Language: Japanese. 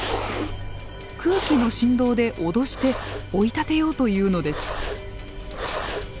空気の振動で脅して追い立てようというのです。